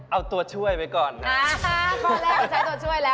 เอาตัวช่วยไปก่อนนะ